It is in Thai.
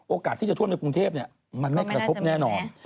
โอกาสที่จะท่วมในกรุงเทพมันไม่กระทบแน่นอน